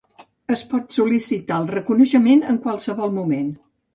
Es pot sol·licitar el reconeixement en qualsevol moment.